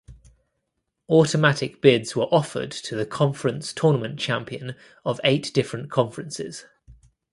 Automatic bids were offered to the conference tournament champion of eight different conferences.